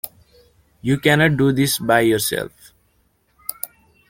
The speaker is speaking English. You cannot do this by yourself.